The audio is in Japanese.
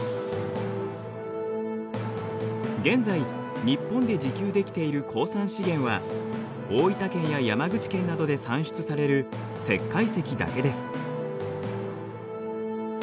現在日本で自給できている鉱産資源は大分県や山口県などで産出される石灰石だけです。